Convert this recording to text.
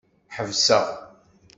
Ḥebseɣ.